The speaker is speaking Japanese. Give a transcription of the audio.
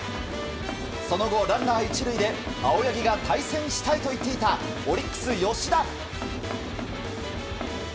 その後、ランナー１塁で青柳が対戦したいと言っていたオリックス、吉田。